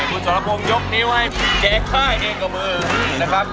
นี่คุณสอบรับวงยกนิ้วให้เจ๊ค่ายในกระมือนะครับ